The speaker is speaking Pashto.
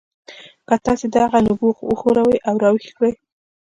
که تاسې دغه نبوغ وښوروئ او راویښ یې کړئ